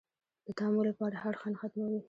د طمعو لپاره هر خنډ ختموي